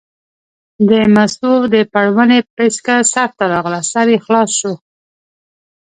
د مستو د پړوني پیڅکه سر ته راغله، سر یې خلاص شو.